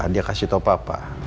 dia kasih tau papa